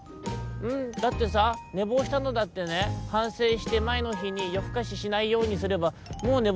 「ううんだってさねぼうしたのだってねはんせいしてまえのひによふかししないようにすればもうねぼうしなくなるでしょ。